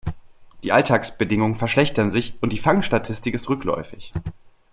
Die Alltagsbedingungen verschlechtern sich, und die Fangstatistik ist rückläufig.